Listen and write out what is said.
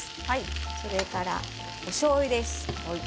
それから、おしょうゆです。